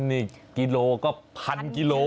นี่กิโลก็พันกิโล